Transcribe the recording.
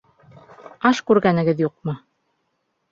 Аш күргәнегеҙ юҡмы?